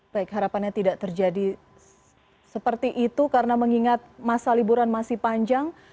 baik harapannya tidak terjadi seperti itu karena mengingat masa liburan masih panjang